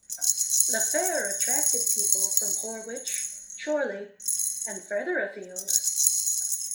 The fair attracted people from Horwich, Chorley and further afield.